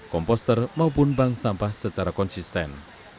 komposter maupun bank sampah secara konsisten